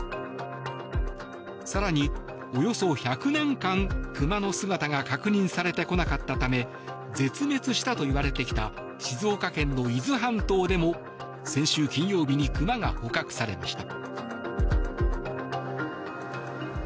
更におよそ１００年間クマの姿が確認されてこなかったため絶滅したといわれてきた静岡県の伊豆半島でも先週金曜日にクマが捕獲されました。